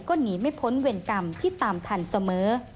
ก็หนีไม่พ้นเวรกรรมที่ตามทันเสมอ